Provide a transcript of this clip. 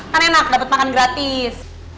kan enak dapat makan gratis